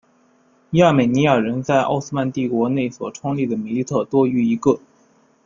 亚美尼亚人在奥斯曼帝国内所创立的米利特多于一个。